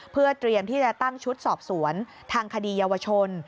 เพื่อเตรียมที่จะตั้งชุดสอบสวนทางคดีเยาวชน